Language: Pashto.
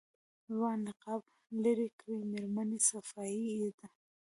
ځوان نقاب لېرې کړ مېرمنې صفايي ده.